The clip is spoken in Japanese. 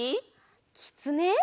きつね！